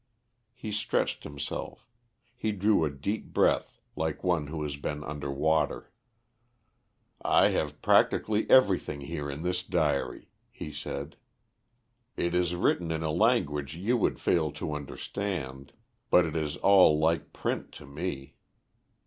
He stretched himself; he drew a deep breath like one who has been under water. "I have practically everything here in this diary," he said. "It is written in a language you would fail to understand, but it is all like print to me.